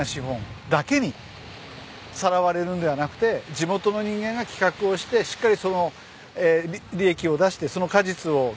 地元の人間が企画をしてしっかり利益を出してその果実を享受する。